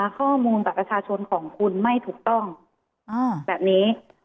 ข้อมูลบัตรประชาชนของคุณไม่ถูกต้องแบบนี้